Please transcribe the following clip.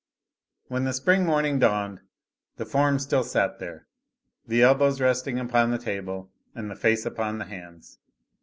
When the spring morning dawned, the form still sat there, the elbows resting upon the table and the face upon the hands.